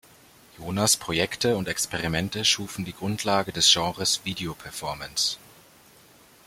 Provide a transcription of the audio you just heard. Jonas' Projekte und Experimente schufen die Grundlage des Genres „Video-Performance“.